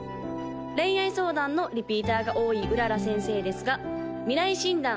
恋愛相談のリピーターが多い麗先生ですが未来診断